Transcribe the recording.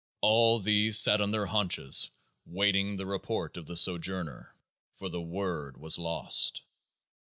All these sat on their haunches waiting The Report of the Sojourner ; for THE WORD was lost.